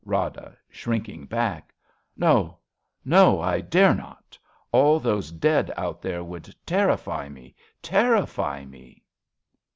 Rada {shrinking back). No, no, I dare not. All those dead out there would terrify me, terrify me